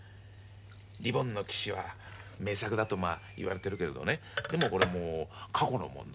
「リボンの騎士」は名作だとまあいわれてるけれどねでもこれもう過去のものだろう。